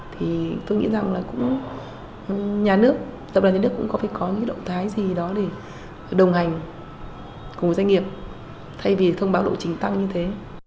thì tôi nghĩ rằng là cũng nhà nước tập đoàn nhà nước cũng có phải có những động thái gì đó để đồng hành cùng doanh nghiệp thay vì thông báo độ trình tăng như thế